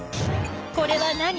これは何？